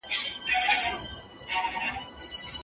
هغه لارښووني چي استاد ورکوي تل ګټوري وي.